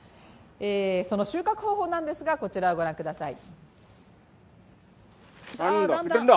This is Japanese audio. その収穫方法なんですがこちらをご覧ください。